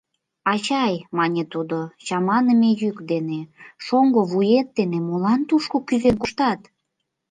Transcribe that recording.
— Ачай, — мане тудо чаманыме йӱк дене, — шоҥго вует дене молан тушко кӱзен коштат?